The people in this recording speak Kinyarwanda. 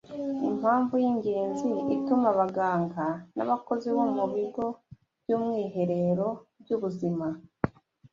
Impamvu y’ingenzi ituma abaganga n’abakozi bo mu bigo by’umwiherero by’ubuzima